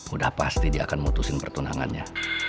udah pasti dia akan memutusin pertunangannya